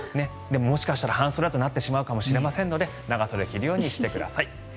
もしかしたら半袖となってしまうかもしれませんので長袖を着るようにしてください。